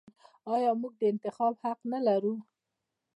آیا موږ د انتخاب حق نلرو؟